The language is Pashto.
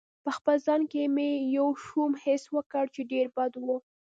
په خپل ځان کې مې یو شوم حس وکړ چې ډېر بد و.